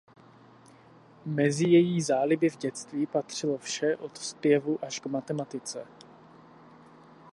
Mezi její záliby v dětství patřilo vše od zpěvu až k matematice.